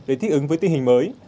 để thích ứng với tình hình mới